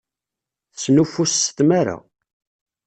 Tesnuffus s tmara.